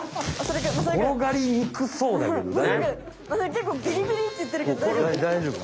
けっこうビリビリっていってるけど大丈夫？